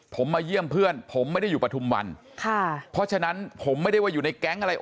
ผมมาเยี่ยมเพื่อนผมไม่ได้อยู่ปฐุมวันค่ะเพราะฉะนั้นผมไม่ได้ว่าอยู่ในแก๊งอะไร